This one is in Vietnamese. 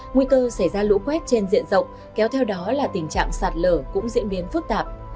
nguy cơ xảy ra lũ quét trên diện rộng kéo theo đó là tình trạng sạt lở cũng diễn biến phức tạp